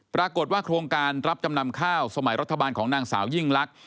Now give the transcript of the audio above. ปรากฏว่าโครงการรับจำนำข้าวสมัยรัฐบาลของนางสาวยิ่งลักษ